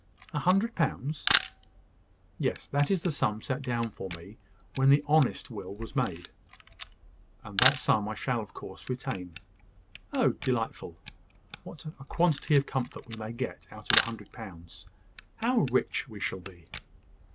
"A hundred pounds!" "Yes; that is the sum set down for me when the honest will was made; and that sum I shall of course retain." "Oh, delightful! What a quantity of comfort we may get out of a hundred pounds! How rich we shall be!"